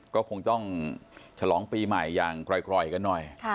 ก็คงต้องฉลองปีใหม่อย่างกรอยกันหน่อย